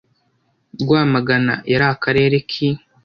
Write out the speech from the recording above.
rwamagana yari akarere ki